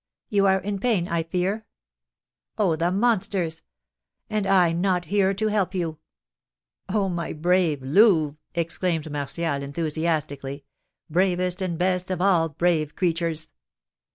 You are in pain, I fear? Oh, the monsters! And I not here to help you!" "Oh, my brave Louve!" exclaimed Martial, enthusiastically; "bravest and best of all brave creatures!"